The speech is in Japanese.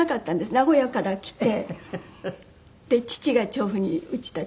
名古屋から来て父が調布に家建てて。